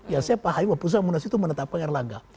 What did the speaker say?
ya saya pahami bahwa putusan munas itu menetapkan erlangga